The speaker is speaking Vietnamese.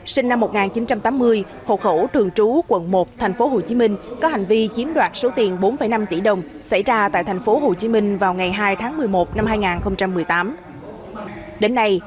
sinh năm một nghìn chín trăm tám mươi hộ khẩu trường trú quận một thành phố hồ chí minh có hành vi chiếm đoạt số tiền bốn năm tỷ đồng xảy ra tại thành phố hồ chí minh vào ngày hai tháng một mươi một năm hai nghìn một mươi tám